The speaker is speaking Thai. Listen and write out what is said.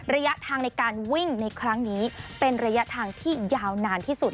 ระยะทางในการวิ่งในครั้งนี้เป็นระยะทางที่ยาวนานที่สุด